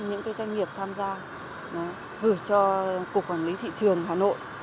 những cái doanh nghiệp tham gia vừa cho cục quản lý thị trường hà nội